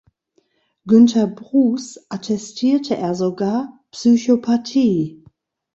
Günther Brus attestierte er sogar "Psychopathie".